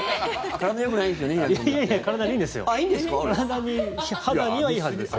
体によくないんですよね